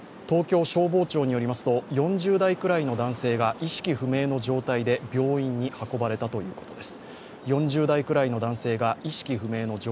東京消防庁によりますと４０代くらいの男性が意識不明の状態で病院に運ばれたということです。